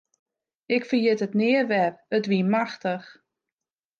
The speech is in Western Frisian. Ik ferjit it nea wer, it wie machtich.